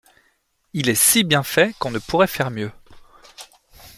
Il est si bien fait qu’on ne pourrait faire mieux.